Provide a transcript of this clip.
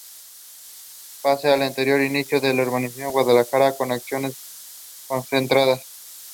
In the game the player controls the offense while also being the general manager.